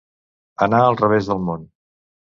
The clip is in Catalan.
Anar al revés del món.